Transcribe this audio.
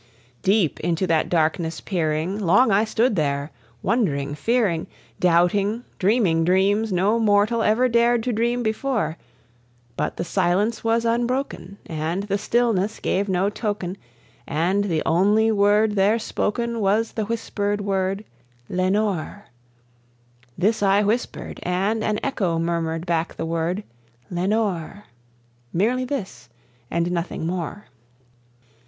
Deep into that darkness peering, long I stood there, wondering, fearing, Doubting, dreaming dreams no mortal ever dared to dream before; But the silence was unbroken, and the stillness gave no token, And the only word there spoken was the whispered word, "Lenore!" This I whispered, and an echo murmured back the word, "Lenore!" Merely this, and nothing more.